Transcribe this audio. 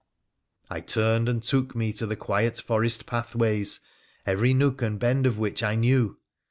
I turned, and took me to the quiet forest pathways, every nook and bend of which I knew.